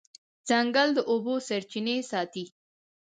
ځنګل د اوبو سرچینې ساتي.